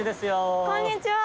こんにちは！